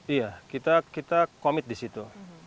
iya kita komit di situ